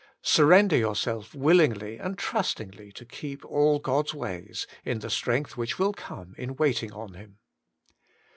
Surrender yourself willingly and trust ingly to keep all God's ways, in the strength which will come in waiting on Him.